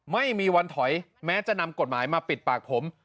ไม่มีวันถอยแม้จะนำกฎหมายมาปิดปากผม